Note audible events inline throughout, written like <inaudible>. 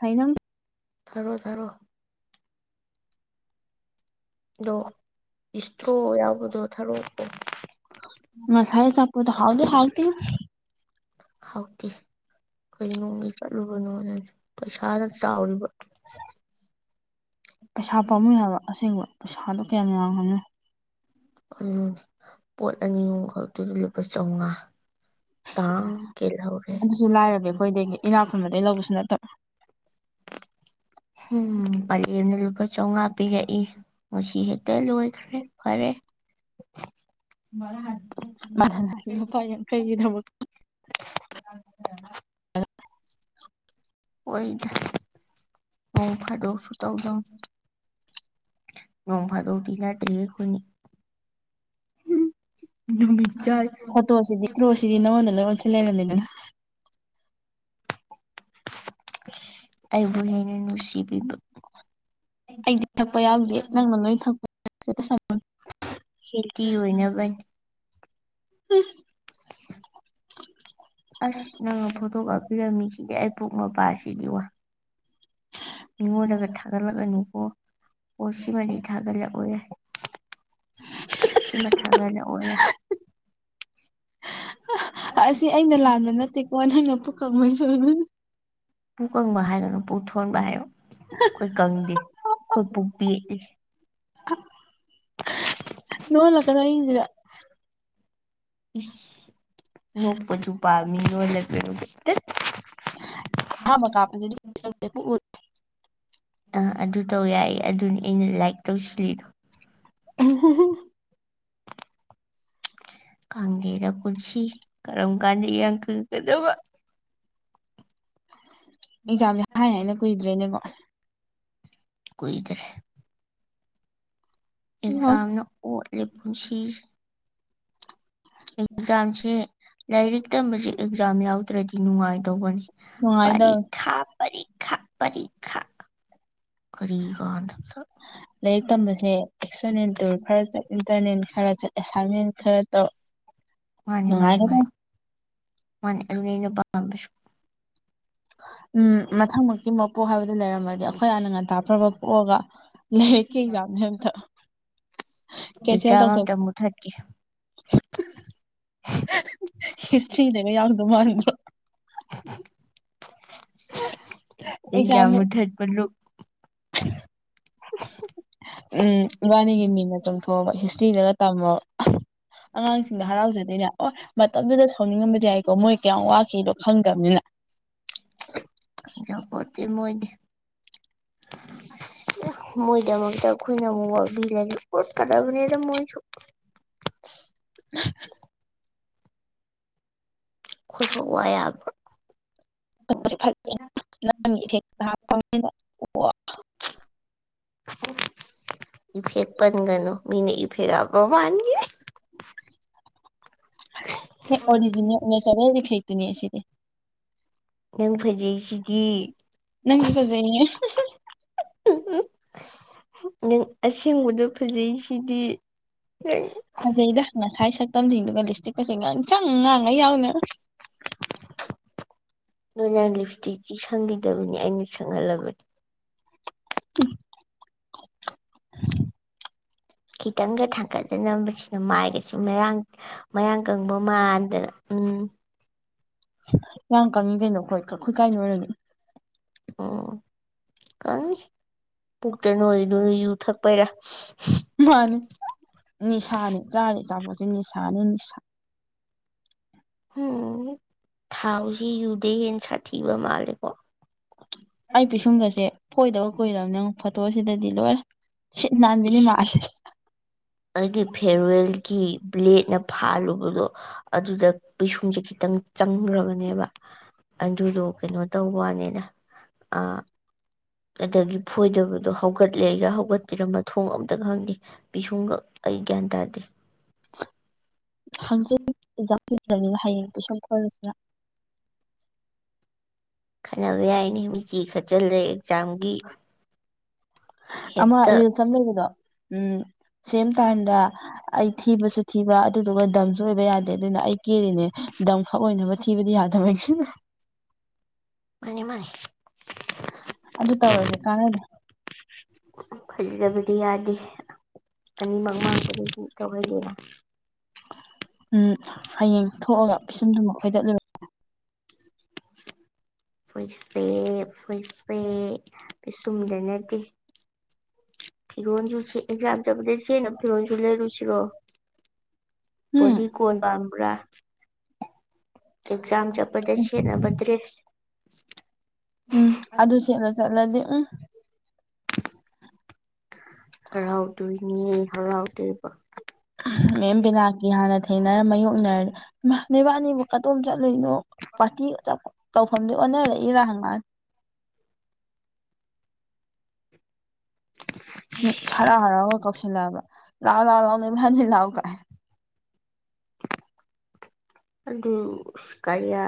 ꯍꯥꯏꯅ ꯊꯔꯣ ꯊꯔꯣ ꯑꯗꯣ ꯏꯁꯇ꯭ꯔꯣ ꯌꯥꯎꯕꯗꯣ ꯊꯔꯛꯀꯣ ꯃꯁꯂ ꯆꯄꯗ ꯍꯥꯎꯗ ꯍꯥꯎꯇꯅ ꯍꯥꯎꯇꯦ ꯀꯩ ꯅꯣꯡꯒꯤ ꯆꯠꯂꯨꯕꯅꯣꯅ ꯄꯩꯁꯥꯗ ꯆꯥꯎꯔꯤꯕ ꯄꯩꯁꯥ ꯄꯥꯝꯃꯤ ꯍꯥꯏꯕ ꯑꯁꯦꯡꯕ ꯄꯩꯁꯥꯗꯣ ꯀꯌꯥꯝ ꯌꯥꯝꯡꯉꯝꯅꯤ ꯄꯣꯠ ꯑꯅꯤ ꯑꯍꯨꯝ ꯈꯛꯇꯣꯏꯗ ꯂꯨꯄꯥ ꯆꯥꯝꯃꯉꯥ ꯇꯥꯡ ꯀꯦꯜꯍꯧꯔꯦ ꯑꯗꯨꯁꯨ ꯂꯥꯏꯔꯕ ꯑꯩꯈꯣꯏꯗꯩ ꯏꯅꯥꯛ ꯈꯨꯨꯟꯕꯗꯒꯤꯩ ꯂꯧꯕꯁꯨ ꯅꯠꯇꯕ ꯎꯝꯔꯤꯄ ꯆꯥꯝꯃꯉꯥ ꯄꯤꯔꯛꯏ ꯃꯁꯤ ꯍꯦꯛꯇ ꯂꯣꯏꯈ꯭ꯔꯦ ꯐꯔꯦ ꯐ ꯌꯥꯝ ꯀꯩꯒꯤꯗꯃ <unintelligible> ꯑ <unintelligible> ꯑꯣꯏ ꯑꯣꯧ ꯐꯗꯣꯁꯨ ꯇꯥꯎꯗꯅꯤ ꯅꯣꯡꯚꯗꯧꯀ ꯇꯤ ꯅꯠꯔꯦ ꯈꯨꯏꯅꯤ ꯐꯇꯣꯁꯤꯗꯤ ꯐꯇꯣꯁꯤꯗꯤ ꯅꯉꯣꯟꯅ ꯂꯣꯏꯉꯣꯟꯁꯤ ꯂꯩꯔꯝꯃꯤꯗꯅ ꯑꯩꯕꯨ ꯍꯦꯅ ꯅꯨꯡꯁꯤꯕꯤꯕ ꯑꯩꯗꯤ ꯊꯛꯄ ꯌꯥꯎꯗꯦ ꯅꯪꯅ ꯅꯣꯏ ꯊꯛꯄꯩ ꯈꯦꯇ ꯑꯣꯏꯅꯕ ꯎꯝ <inaudible> ꯑꯁ ꯅꯪꯉ ꯐꯇꯣ ꯀꯥꯄꯤꯤꯔꯃꯤꯁꯤ ꯄꯨꯛꯛ ꯃꯄꯥꯖꯤꯗꯤ ꯋꯥ ꯃꯤꯉꯣꯟꯗꯒ ꯊꯥꯒꯠꯂꯛꯂꯅꯨꯀꯣ ꯑꯣ ꯁꯤꯃꯗꯤ ꯊꯥꯒꯠꯂꯛꯑꯣ ꯌꯥꯏ ꯁꯤ ꯃꯊꯥꯒꯅꯦ ꯑꯣ ꯑꯁꯤ ꯑꯩꯅ ꯂꯥꯟꯕ ꯅꯠꯇꯦꯀꯣ ꯅꯪꯅ ꯄꯨꯀꯪꯕꯣꯏ ꯁꯨꯣꯏꯕꯅꯦ ꯄꯨ ꯀꯪꯕ ꯍꯥꯏꯗꯅꯨ ꯄꯨꯛ ꯊꯣꯟꯕ ꯍꯥꯏꯕ ꯑꯩꯈꯣꯏ ꯀꯪꯗꯦ ꯑꯩꯈꯣꯏ ꯄꯨꯛ ꯄꯥꯠꯂꯤ ꯅꯣꯠꯂ ꯀꯅꯥ ꯏꯁꯤꯒ ꯏ ꯅꯄ ꯆꯨꯄ ꯃꯤꯣ ꯂꯩꯕꯅ ꯃꯀ ꯑ ꯑꯗꯨ ꯇꯧ ꯌꯥꯏꯌꯦ ꯑꯗꯨꯅꯤ ꯑꯩꯅ ꯂꯥꯏꯛ ꯇꯧꯁꯤꯜꯂꯤꯗꯣ <unintelligible> ꯀꯪꯒꯦꯗ ꯄꯨꯁꯤ ꯀꯔꯝ ꯀꯥꯟꯗ ꯀꯗꯕ ꯑꯦꯛꯖꯥꯝꯁꯦ ꯍꯥꯏ ꯍꯥꯏꯅ ꯀꯨꯏꯗ꯭ꯔꯦꯅꯦꯀꯣ ꯀꯣꯏ ꯀꯦ ꯏꯜꯖꯝꯅ ꯑꯣ ꯑ ꯄꯨꯁꯤ ꯑꯦꯛꯖꯥꯝꯁꯦ ꯂꯥꯏꯔꯤꯛ ꯇꯁ ꯑꯦꯛꯖꯥꯝ ꯌꯥꯎꯗ꯭ꯔꯗꯤ ꯅꯨꯡꯉꯥꯏꯗꯧꯕꯅꯤ ꯅꯨꯡꯉꯥꯏꯗꯧ ꯄꯔꯤꯈꯥ ꯄꯔꯤꯈꯥ ꯄꯔꯤꯈꯥ ꯀꯔꯤꯒꯥꯟꯗ ꯂꯥꯏꯔꯤꯛ ꯇꯝꯕꯁꯦ ꯑꯦꯛꯁꯇꯔꯅꯦꯜ ꯇ ꯈꯔ ꯏꯟꯇꯔꯅꯦꯜ ꯈꯔ ꯑꯦꯁꯥꯏꯟꯃꯦꯟ ꯈꯔ ꯇꯧꯔꯛ ꯃꯥꯅꯤ ꯃꯥꯅꯤ ꯃꯥꯅꯤ ꯃꯥꯅꯤ ꯑꯗꯨꯅꯤ ꯑꯩꯅ ꯄꯥꯝꯕꯁꯨ ꯎꯝ ꯃꯊꯪꯃꯛꯀꯤ ꯃꯄꯣꯛ ꯍꯥꯏꯕꯗꯨ ꯂꯩꯔꯝꯃꯗꯤ ꯑꯩꯈꯣꯏ ꯑꯥꯅ ꯉꯟꯇꯥ ꯐ꯭ꯔꯕ ꯄꯣꯛꯑꯒ ꯂꯩ ꯀ ꯌꯥꯗꯇ ꯑꯦꯛꯖꯥꯝ ꯑꯝꯇ ꯃꯨꯊꯠꯀꯦ ꯍꯤꯁꯇ꯭ꯔꯤꯗꯅ ꯌꯥꯎꯗ ꯃꯥꯗ꯭ꯔꯣ ꯑꯩ ꯑꯦꯛꯖꯥꯝ ꯌꯥꯝꯨꯊꯠꯄꯂꯨ ꯎꯝ ꯋꯥꯕꯥꯅꯤꯒꯤ ꯃꯤꯅ ꯆꯣꯡꯊꯣꯛꯑꯕ ꯍꯤꯁꯇ꯭ꯔꯤꯗꯅ ꯇꯝꯃꯕ ꯑꯉꯥꯡꯁꯤꯡꯗꯣ ꯍꯔꯥꯎꯖꯗꯣꯏꯅꯦ ꯑꯣ ꯃꯇꯝꯗꯨꯗ ꯁꯣꯅꯤꯡꯉꯝꯕꯗꯤ ꯌꯥꯏꯀꯣ ꯃꯣꯏ ꯀꯌꯥꯝ ꯋꯥꯈꯤꯅꯣ ꯈꯪꯗꯕꯅꯤꯅ ꯌꯥꯄꯣꯠꯇꯦ ꯃꯣꯏꯗꯤ ꯃꯣꯏꯗꯃꯗ ꯈꯣꯏꯅ ꯃꯨꯕꯤ ꯂꯦ ꯀ ꯀꯗꯥꯕꯨꯗ ꯃꯣꯏꯁꯨ <inaudible> <inaudible> ꯑꯩꯈꯣꯏ ꯈꯛ ꯋꯥ <unintelligible> ꯌꯥꯕ꯭ꯔꯣ <unintelligible> <unintelligible> ꯀ ꯑꯣ ꯎ ꯏꯐꯦꯄꯒꯅꯣ ꯃꯤꯅꯦ ꯏ ꯐꯦꯔ ꯍꯥ ꯃꯥꯅꯤꯦ ꯍꯦ ꯑꯣꯔꯤꯖꯤ ꯎ ꯆꯔꯦꯦꯇꯅꯤꯁꯤ ꯅꯪ ꯐꯖꯩꯁꯤꯗꯤ ꯅꯪꯁꯨ ꯐꯖꯩꯌꯦ ꯅꯪ ꯑꯁꯦꯡꯕꯗꯣ ꯐꯖꯩ ꯁꯤꯗꯤ ꯍ ꯝꯁꯤꯡꯗꯨꯒ ꯂꯤꯁꯇꯤ ꯀꯩꯁ ꯉ ꯆꯪ ꯉꯥꯡꯉ ꯌꯥꯎꯅ ꯅꯣꯏ ꯅꯪ ꯂꯤꯞ ꯏꯁꯇꯤꯛꯁꯤ ꯁꯪꯈꯤꯗꯕꯅꯤ ꯑꯩꯅ ꯁꯪꯍꯜꯂꯕꯅꯤ <inaudible> <inaudible> <inaudible> ꯈꯤꯇꯪꯒ ꯊꯥꯡꯒꯠꯅꯅꯕꯕꯁꯤꯅ ꯃꯥꯏꯒꯁꯨ ꯃꯌꯥꯥꯡ ꯃꯌꯥꯡ ꯀꯪꯕ ꯃꯥꯟꯗꯅ ꯎꯝ ꯌꯥꯝ ꯀꯪꯉꯤ ꯀꯩꯅꯣ ꯑꯩꯈꯣꯏꯈꯠ ꯀꯥꯏꯅ ꯑꯣꯏꯔꯅꯤ ꯎꯝ ꯀꯪꯉ ꯄꯨꯛꯇ ꯅꯣꯏꯗꯨꯅ ꯌꯨ ꯊꯛꯄꯩꯔꯥ ꯃꯥꯅꯤ ꯅꯤꯁꯥꯅꯦ ꯆꯥꯔ ꯆꯥꯄꯣꯠꯁꯦ ꯅꯤꯁꯥꯅꯦ ꯅꯤꯁꯥ ꯎꯝ ꯊꯥꯎꯁꯤ ꯌꯨꯗꯦ ꯍꯦ ꯁꯥꯊꯤꯕ ꯃꯥꯜꯂꯦꯀꯣ ꯑꯩ ꯄꯤꯁꯨꯝꯒꯁꯦ ꯐꯣꯏꯗꯕ ꯀꯨꯏꯔꯕ ꯅꯪ ꯐꯣꯇꯣꯁꯤꯗꯗꯤ ꯂꯣꯏ ꯅꯥꯟꯕꯤꯅꯤ ꯏꯁ ꯃꯥꯁꯦꯁ <inaudible> ꯑꯩꯒꯤ ꯐꯦꯔꯋꯦꯜꯒꯤ ꯕ꯭ꯂꯦꯗꯅ ꯐꯥꯔꯨꯕꯗꯣ ꯑꯗꯨꯗ ꯄꯩꯤꯁꯨꯡꯖꯈꯤ ꯈꯤꯇꯪ ꯆꯪꯈ꯭ꯔꯕꯅꯦꯕ ꯑꯗꯨꯗꯣ ꯀꯩꯅꯣ ꯇꯧꯕꯅꯤꯗ ꯑ ꯑꯗꯒꯤ ꯐꯣꯏꯗꯕꯗꯣ ꯍꯧꯒꯠꯂꯦꯒ ꯍꯧꯒꯠꯇꯄꯤꯔꯝꯃ ꯊꯣꯡ ꯑꯃꯝꯇ ꯈꯪꯗꯦ ꯄꯤꯁꯨꯡꯈꯛ ꯑꯩ ꯒ꯭ꯌꯥꯟ ꯇꯥꯗꯦ ꯍꯪꯆꯤꯅꯤꯅ ꯍꯌꯦꯡ ꯇꯨ ꯁꯝ ꯈꯜꯁꯤꯅ ꯈꯟꯅꯕ ꯌꯥꯏꯅꯦ ꯃꯤꯆꯤ ꯈꯠꯆꯜꯂꯦ ꯑꯦꯛꯖꯥꯝꯒꯤ ꯍꯦꯛꯇ ꯑꯥ ꯆꯝꯖꯕꯗꯣ ꯎꯝ ꯁꯦꯝ ꯇꯥꯏꯝꯗ ꯑꯩ ꯊꯤꯕꯁꯨ ꯊꯤꯕ ꯑꯗꯨꯗꯨꯒ ꯗꯝꯁꯨ ꯑꯣꯏꯕ ꯌꯥꯗꯦ ꯑꯗꯨꯅ ꯑꯩ ꯀꯦꯔꯤꯅꯦ ꯗꯝꯈꯛ ꯑꯣꯏꯅꯕ ꯊꯤꯕꯗꯤ ꯌꯥꯗꯕꯩꯒꯤꯅ ꯃꯥꯅꯤ ꯃꯥꯅꯤ ꯑ ꯑꯗꯨ ꯇꯋꯔꯁꯦ ꯀꯥꯅꯗ ꯐꯖꯗꯕꯨꯗꯤ ꯌꯥꯗꯅꯤꯦ ꯑ ꯃꯪ ꯃꯥꯁꯔꯤ ꯇꯧꯔ ꯂꯩꯅ ꯎꯝ ꯍꯌꯦꯡ ꯊꯣꯛꯑꯒ ꯄꯤꯁꯨꯝꯗꯨ ꯃꯈꯣꯏꯗ ꯐꯣꯏꯆꯦ ꯐꯣꯏꯆꯦ ꯑꯩꯁꯨꯝꯗ ꯅꯠꯇꯦ ꯐꯤꯔꯣꯜꯁꯨ ꯑꯦꯛꯖꯥꯝ ꯆꯠꯕꯗꯩ ꯁꯤꯅ ꯐꯤꯔꯣꯣꯟꯁꯨ ꯂꯩꯔꯨꯁꯤꯔꯣ ꯄ ꯎꯝ ꯀꯣ ꯑꯃꯥ ꯑꯦꯖꯝ ꯆꯄꯔꯗꯁꯁꯤ ꯅ ꯃꯗ꯭ꯔꯦꯁ ꯎꯝ ꯑꯗꯨꯁꯦꯂ ꯆꯠꯂꯗꯤꯦ ꯎꯝ ꯍꯔꯥꯎꯗꯣꯏꯅꯤ ꯍꯔꯥꯎꯗꯣꯏꯕ ꯃꯦꯝ ꯕꯤꯅꯥꯀꯤ ꯍꯥꯟꯅ ꯊꯦꯡꯅꯔ ꯃꯥꯏꯌꯣꯛꯅꯔ ꯅꯕꯥꯅꯤꯕꯨ ꯀꯗꯣꯝ ꯆꯠꯂꯨꯏꯅꯣ ꯄꯥꯔꯇꯤ ꯇꯧꯐꯝꯗꯤ ꯑꯣꯟꯅꯔꯛ ꯏꯔꯪꯉꯅꯤ <inaudible> ꯎ ꯁꯔ ꯑꯔꯥꯎꯒ ꯀꯧꯁꯟ ꯂꯕ ꯂꯑꯣ ꯂꯥꯎꯑꯣ ꯂꯑꯣꯅꯦ ꯍꯥꯏꯅꯤ ꯂꯑꯣ ꯀꯥꯏ <inaudible> ꯑꯗꯨ ꯀꯌꯥ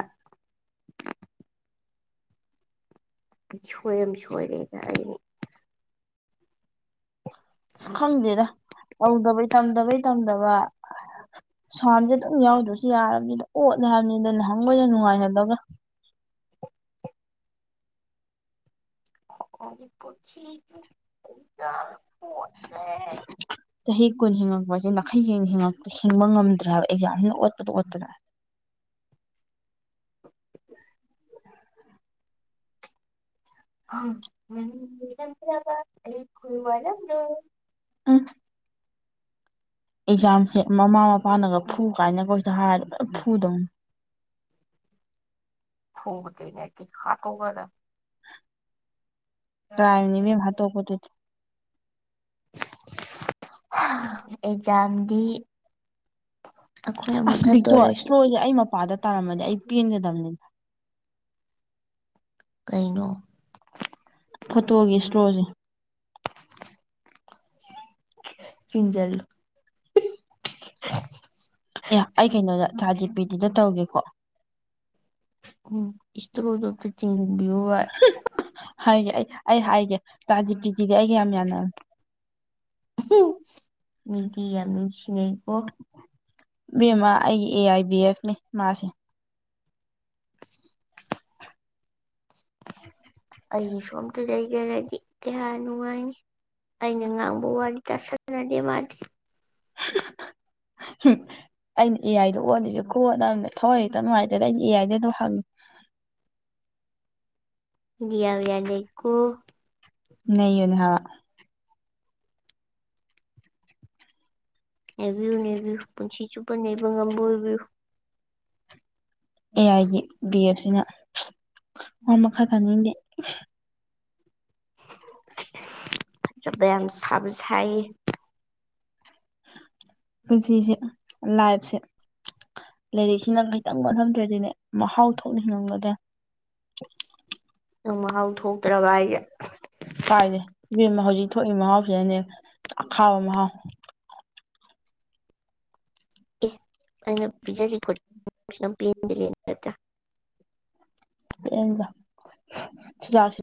ꯁ꯭ꯋꯨꯝ ꯁꯣꯏꯔꯦ ꯌꯥ ꯍꯥꯏꯅꯤ ꯁꯨ ꯈꯪꯗꯦꯗ ꯇꯧꯗꯕꯩ ꯇꯝꯗꯕꯩ ꯇꯟꯕꯗꯩ ꯇꯝꯗꯕ ꯁ꯭ꯋꯥꯝꯁꯦ ꯄꯩꯁꯥꯁꯦ ꯑꯗꯨꯝ ꯌꯥꯝ ꯌꯥꯎꯗ꯭ꯔꯁꯨ ꯌꯥꯔꯕꯅꯤꯗ ꯑꯣꯠꯂꯦ ꯍꯥꯏꯕꯅꯤꯗ ꯅꯍꯥꯟꯈ ꯑꯣꯏꯅ ꯅꯨꯡꯉꯥꯏꯅꯗꯕ ꯅꯤ ꯄꯨꯁꯤ <inaudible> ꯆꯍꯤ ꯀꯨꯟ ꯍꯤꯡꯉꯛꯄꯁꯦ ꯅꯥꯈꯩꯁꯤꯡꯄ ꯍꯤꯡꯕ ꯉꯝꯗ꯭ꯔꯕ ꯑꯦꯛꯖꯥꯝꯁꯤꯅ <inaudible> ꯎꯝ ꯑꯩꯣꯏ ꯋꯥꯗ ꯎ ꯑꯦꯛꯖꯥꯝꯁꯦ ꯃꯃꯥ ꯃꯄꯥꯅꯒ ꯐꯨ ꯀꯥꯏꯅ ꯀꯣꯏꯗ ꯍꯥꯏꯔ ꯐꯗꯣꯣꯡ ꯐꯨꯕ ꯀꯩꯅꯦ ꯀ ꯍꯥꯥ ꯇꯒꯗ ꯀꯥꯏꯅꯤꯃꯤꯚꯠꯇꯣ ꯀꯗꯨ ꯑꯦꯖꯝꯗꯤ ꯑꯁꯕꯤꯛꯇꯣ ꯏꯁꯇꯣꯁꯦ ꯑꯩ ꯃꯄꯥꯗ ꯇꯥꯔꯝꯃꯗꯤ ꯑꯩ ꯄꯦꯟꯒꯗꯕꯅꯤꯅ ꯀꯩꯅꯣ ꯐꯣꯇꯣꯒꯤ ꯏꯁꯇꯣꯁꯦ ꯆꯤꯡꯖꯔꯂ ꯑꯦ ꯑꯩ ꯀꯩꯅꯣꯗ ꯊꯥꯖꯖꯤ ꯄꯤꯗꯤꯗ ꯇꯧꯒꯦꯀꯣ ꯎꯝ ꯏꯁꯇꯔꯣꯗ ꯆꯤꯡꯕꯤꯣ ꯍꯥꯏꯒꯦ ꯑꯩ ꯑꯩ ꯍꯥꯏꯒꯦ ꯇꯥꯖꯤꯞꯀꯤꯗꯨꯗꯤ ꯑꯩꯒ ꯌꯥꯝ ꯌꯥꯅꯦ ꯃꯤꯗꯤ ꯌꯥꯝ ꯅꯨꯡꯁꯤꯅꯩꯀꯣ ꯎ ꯕꯦꯝꯃ ꯑꯩꯒꯤ ꯑꯦ ꯑꯥꯏ ꯕꯤ ꯑꯦꯐꯅꯤ ꯃꯥꯁꯤꯦ ꯑꯩ ꯁꯣꯝꯇ ꯂꯩꯒꯦꯔꯗꯤ ꯏ ꯀꯌꯥꯅꯅꯨꯡꯉꯥꯏꯅꯤ ꯑꯩꯅ ꯉꯥꯡꯕ ꯋꯥꯔꯤ ꯇꯥꯁꯅꯗꯦ ꯃꯥꯗꯤꯦ ꯑꯩꯅ ꯏꯌꯥꯏꯗ ꯑꯣꯜꯂꯤꯁꯦ ꯀꯣꯟꯅꯕꯅꯦ ꯊꯣꯛꯏ ꯈꯤꯇ ꯅꯨꯡꯉꯥꯏꯇꯦꯗ ꯑꯩꯗꯤ ꯏꯌꯥꯏꯗꯦ ꯑꯗꯨꯣ ꯍꯪꯉꯤ ꯌꯥꯕꯤ ꯌꯥ ꯂꯩꯀꯣ ꯅꯩꯕꯅꯦ ꯍꯥꯏꯕ ꯅꯕꯤꯌ ꯅꯕꯌꯨ ꯄꯨꯟꯁꯤ ꯆꯨꯞꯄ ꯅꯕ ꯉꯝꯕ ꯑꯣꯏꯕꯌꯨ ꯑꯦ ꯑꯥꯏꯒꯤ ꯕꯤ ꯑꯦꯠꯁꯤꯅ ꯑꯣ ꯃꯈꯥ ꯇꯥꯅꯤꯡꯒꯦ ꯆꯕꯝ ꯆꯕꯁꯥꯏ ꯄꯨꯟꯖꯤꯁꯦ ꯂꯥꯏꯐꯁꯦ ꯂꯥꯏꯔꯤꯛꯁꯤꯅ ꯈꯤꯇꯪ ꯃꯊꯝꯗ꯭ꯔꯗꯤꯅꯦ ꯃꯍꯥꯎ ꯊꯣꯛꯅ ꯍꯤꯡꯉꯝꯒꯗꯦ ꯑ ꯃꯍꯥꯎ ꯊꯣꯛꯇ꯭ꯔꯕ ꯑꯩꯒ ꯀꯥꯏꯔꯦ ꯏꯦꯝ ꯍꯧꯖꯤꯛ ꯊꯣꯛꯏ ꯃꯍꯥꯎꯁꯤꯅꯅꯦ ꯑꯈꯥꯕ ꯃꯍꯥꯎ ꯩꯅ ꯆꯤꯖꯥꯛꯁꯤ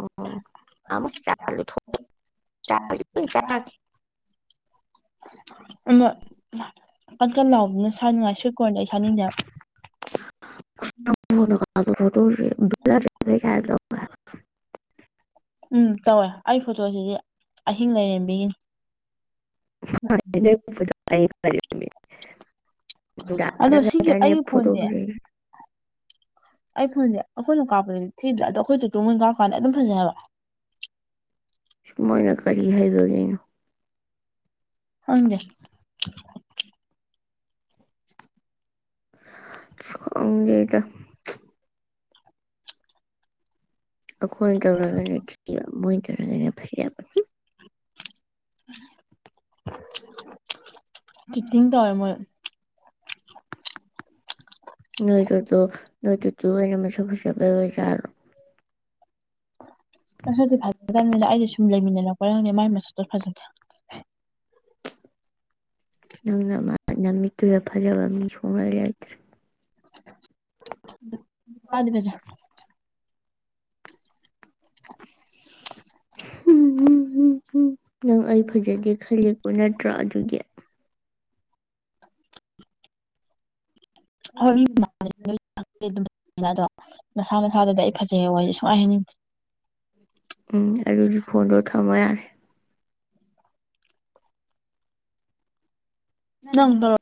ꯎꯝ ꯑꯃꯥꯏ ꯆꯂ ꯊ ꯑ ꯑ ꯑ ꯀꯀ ꯂꯥꯎꯕꯅ ꯁꯥꯅꯤꯡꯉꯥꯏ ꯁꯣꯏꯀꯣꯟꯗ ꯑꯩ ꯁꯥꯅꯤꯡꯗꯦꯕ ꯑꯗꯨ ꯍꯕꯂ ꯀ ꯎꯝ ꯇꯧꯋꯦ ꯑꯩ ꯐꯣꯇꯣꯁꯤꯗꯤ ꯑꯍꯤꯡ ꯂꯩꯔꯦꯝꯕꯤꯒꯤꯅꯤ <inaudible> ꯑꯗꯣ ꯁꯤꯒꯤ ꯗꯗꯒꯥꯥꯗꯅꯦ ꯑꯩꯒꯤ ꯐꯣꯟꯁꯦ ꯐꯇꯣꯚꯔꯦꯜ ꯑꯩ ꯐꯣꯟ ꯑꯩꯈꯣꯏꯅ ꯀꯥꯄ ꯊꯗ ꯑꯩꯈꯣꯏꯠꯇ ꯇꯨ ꯃꯣꯏ ꯀꯥꯔꯛ ꯀꯥꯟꯗ ꯑꯗꯨꯝ ꯐꯖꯅꯦꯕ ꯁꯨꯃꯥꯏꯅ ꯀꯔꯤ ꯍꯥꯏꯕꯒꯤꯩꯅꯣ ꯍꯪꯖ ꯣꯡꯒꯦꯒ ꯑꯩꯈꯣꯏ ꯇꯧꯔꯒꯅ ꯊꯤꯕ ꯃꯣꯏ ꯇꯧꯔꯒꯅ ꯐꯩꯔ ꯆꯤꯇꯤꯡ ꯇꯔ ꯃꯣꯏ ꯅꯣꯏꯠꯇ ꯅꯣꯏꯠꯇ ꯇ ꯑꯣꯏꯅ ꯃ ꯁ ꯍꯁꯕ ꯑꯣꯏꯁꯦ ꯑꯁ ꯑꯗꯨ ꯐ ꯇꯃꯤ ꯑꯩꯗꯤ ꯁꯨꯝ ꯂꯩꯃꯤꯟꯅꯅ ꯋꯥꯔꯪꯗꯤ ꯃꯥꯏ ꯃꯦꯁ ꯐꯖꯦ ꯅꯪꯅ ꯃꯥ ꯌꯥꯝꯃꯤꯛꯇꯦ ꯐꯥꯖꯕ ꯃꯤ ꯃꯤ ꯁꯉꯥꯏ꯭ꯔꯦ ꯑꯕꯖ ꯅꯪ ꯑꯩ ꯐꯖꯗꯦ ꯈꯜꯂꯤ ꯅꯠꯇ꯭ꯔꯣ ꯑꯗꯨꯒꯤ ꯍꯧ ꯑꯗꯣ ꯅꯁꯥ ꯅꯁꯥꯗꯗꯤ ꯑꯩ ꯐꯖꯩꯌꯦ ꯋꯥꯔꯤꯁ ꯁꯨꯡꯉꯥꯏꯍꯟꯅꯤꯡꯗꯦ ꯎꯝ ꯑꯗꯨꯗꯤ ꯐꯣꯟꯗꯣ ꯊꯝꯃ ꯌꯥꯔꯦ ꯅꯪ ꯂꯧꯔꯣ ꯅꯗ